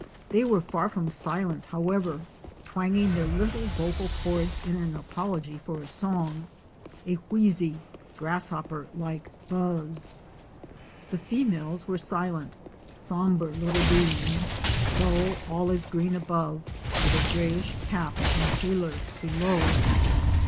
They were far from silent however, twanging their little vocal chords in an apology for a song — a wheezy, grasshopper like buzz. The females were silent, sombre little beings — dull olive green above, with a grayish cap and paler below.